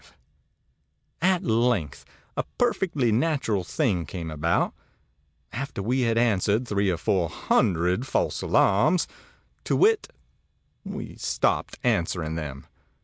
77 ãAt length a perfectly natural thing came about after we had answered three or four hundred false alarms to wit, we stopped answering them.